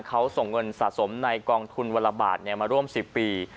เขาส่งเงินสะสมในกองทุนวรรณบาทเนี่ยมาร่วม๑๐ปี